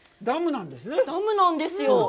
ダムなんですよ。